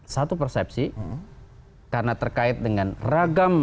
satu persepsi karena terkait dengan ragam